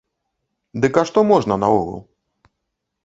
Дык а што можна наогул?